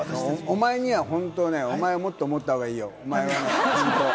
お前には本当ね、お前もっと思った方がいいよ、もっと。